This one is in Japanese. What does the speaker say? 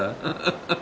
ハハハハ。